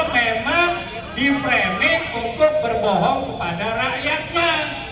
saya ini bukan ini